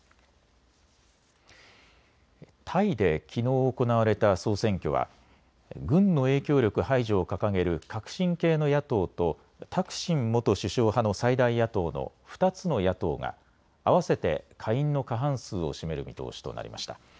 タイできのう行われた総選挙は軍の影響力排除を掲げる革新系の野党とタクシン元首相派の最大野党の２つの野党が合わせて下院の過半数を占める見通しとなりました。